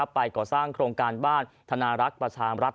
ไปก่อสร้างโครงการบ้านธนารักษ์ประชามรัฐ